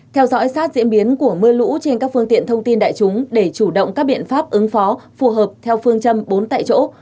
theo dõi sát diễn biến của mưa lũ trên các phương tiện thông tin đại chúng để chủ động các biện pháp ứng phó phù hợp theo phương châm bốn tại chỗ